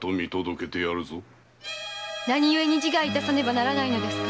何故に自害いたさねばならないのですか。